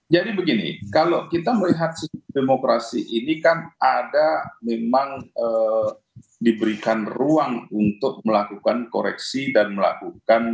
jadi begini kalau kita melihat demokrasi ini kan ada memang diberikan ruang untuk melakukan koreksi dan melakukan